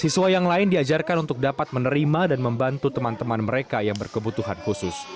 siswa yang lain diajarkan untuk dapat menerima dan membantu teman teman mereka yang berkebutuhan khusus